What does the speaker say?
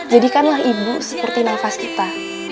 jadikanlah ibu seperti nafas kita